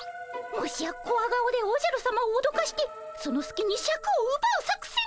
もしやコワ顔でおじゃるさまをおどかしてそのすきにシャクをうばう作戦？